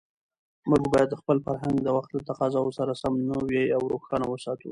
موږ باید خپل فرهنګ د وخت له تقاضاوو سره سم نوی او روښانه وساتو.